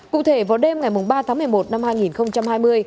cụ thể vào đêm ngày ba tháng một mươi một năm hai nghìn hai mươi